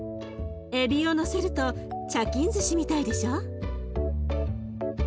エビをのせると茶巾ずしみたいでしょ。